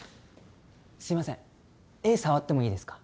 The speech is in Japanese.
すいません絵触ってもいいですか？